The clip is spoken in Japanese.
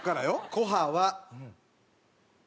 「コハは」